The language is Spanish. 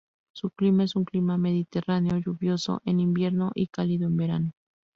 Su clima es un clima mediterráneo, lluvioso en invierno y cálido en verano.